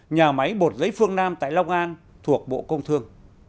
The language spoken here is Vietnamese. nhà máy bột giấy phương nam tại long an thuộc bộ công thương